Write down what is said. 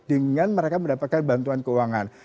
dengan mereka mendapatkan bantuan keuangan